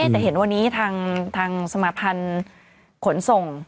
แต่เห็นวันนี้ทางสมาพันธ์ขนส่ง